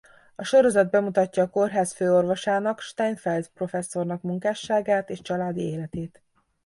A sorozat bemutatja a kórház főorvosának Steinfeld professzornak munkásságát és családi életét.